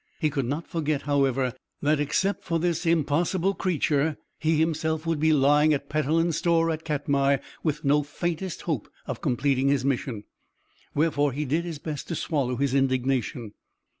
He could not forget, however, that except for this impossible creature he himself would be lying at Petellin's store at Katmai with no faintest hope of completing his mission, wherefore he did his best to swallow his indignation.